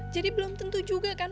jadi belum tentu juga kan